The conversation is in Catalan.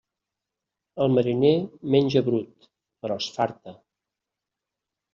El mariner menja brut, però es farta.